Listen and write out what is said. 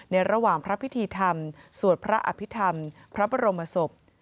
ระหว่างพระพิธีธรรมสวดพระอภิษฐรรมพระบรมศพ